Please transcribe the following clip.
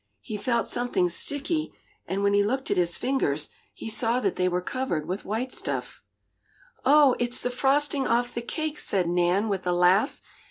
He felt something sticky, and when he looked at his fingers, he saw that they were covered with white stuff. "Oh, it's the frosting off the cake!" said Nan with a laugh.